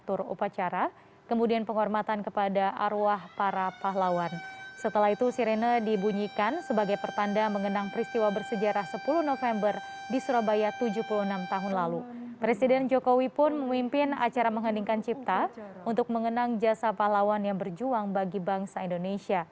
upacara hari pahlawan